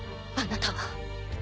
あなたは。